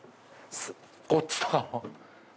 こっちとかも。